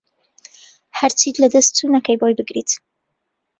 هەرچیت لەدەست چو نەکەیت بۆی بگریت